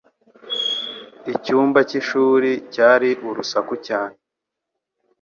Icyumba cy'ishuri cyari urusaku cyane